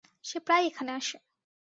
সে প্রায় এখানে আসে।